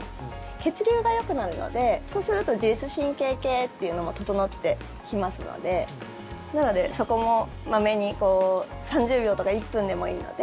血流がよくなるのでそうすると自律神経系というのも整ってきますのでなので、そこもまめに３０秒とか１分でもいいので。